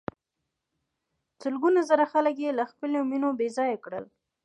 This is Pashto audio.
سلګونه زره خلک یې له خپلو مېنو بې ځایه کړل.